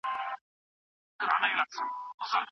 زه د کلي کوچنى یم.